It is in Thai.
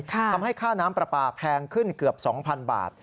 ทำให้ค่าน้ำปลาปลาแพงขึ้นเกือบ๒๐๐๐บาท